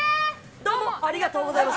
どうもありがとうございまし